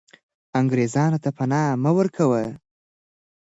انګریزانو ته پنا مه ورکوه.